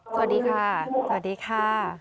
สวัสดีค่ะ